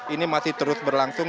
ini masih terus berlangsung